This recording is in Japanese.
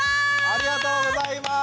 ありがとうございます。